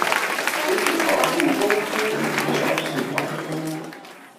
刘锦堂入东京美术学校西画科